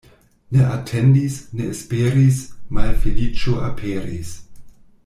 Ne atendis, ne esperis — malfeliĉo aperis.